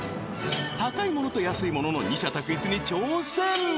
高いものと安いものの二者択一に挑戦